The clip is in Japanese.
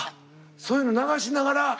そういうの流しながら。